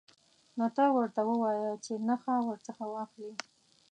نو ته ورته ووایه چې نخښه ورڅخه واخلئ.